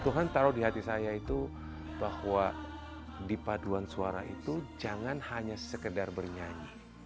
tuhan taruh di hati saya itu bahwa di paduan suara itu jangan hanya sekedar bernyanyi